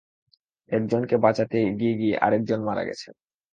একজনকে বাঁচাতে এগিয়ে গিয়ে আরেকজন মারা গেছেন।